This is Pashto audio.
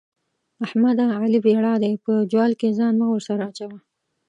احمده؛ علي بېړا دی - په جوال کې ځان مه ورسره اچوه.